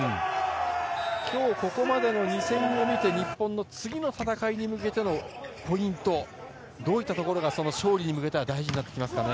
今日ここまでの２戦を見て日本の次の戦いに向けてのポイント、どういったところが勝利に向けては大事になってきますかね。